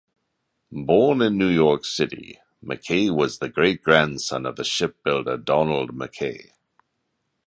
Born in New York City, McKay was the great-grandson of the shipbuilder Donald McKay.